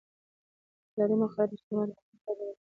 اداري مقررات د خدمت اسانتیا برابروي.